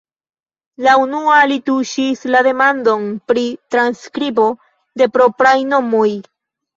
La unua li tuŝis la demandon "Pri transskribo de propraj nomoj".